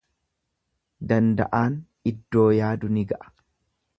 Danda'aan iddoo yaadu ni gaha.